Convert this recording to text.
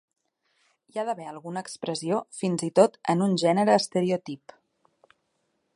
Hi ha d'haver alguna expressió, fins i tot en un gènere estereotip.